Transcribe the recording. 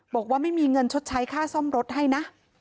บอกว่าไม่มีเงินชดใช้ค่าซ่อมรถให้นะ